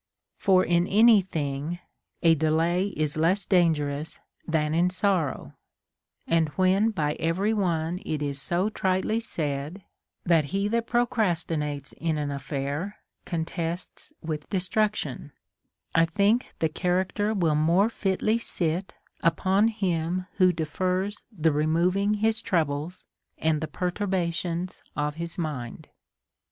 For in any thing a delay is less dangerous than in sorrow ; and when by every one it is so tritely said, that he that procrastinates in an affair contests Avith destruction, I think the character will more fitly sit upon him who defers the removing his troubles and the perturbations of his mind.